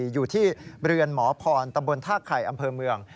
อยู่ที่เรือนหมอพรตำบลท่าไข่อำเภอเมือง